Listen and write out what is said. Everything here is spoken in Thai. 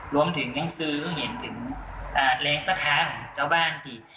รวมถึงดังซื้อเห็นถึงแรงสถานจ้าวบ้านที่